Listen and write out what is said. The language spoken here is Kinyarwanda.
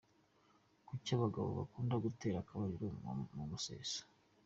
Kuki abagabo bakunda gutera akabariro mu museso?